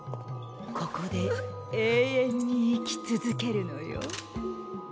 ここで永遠に生き続けるのよ。